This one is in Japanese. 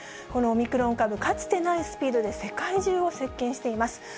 このオミクロン株、かつてないスピードで世界中を席けんしています。